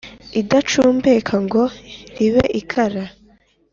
idacumbeka ngo ribe ikara